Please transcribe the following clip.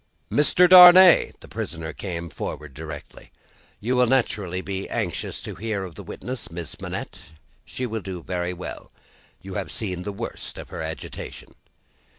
"Mr. Darnay!" The prisoner came forward directly. "You will naturally be anxious to hear of the witness, Miss Manette. She will do very well. You have seen the worst of her agitation."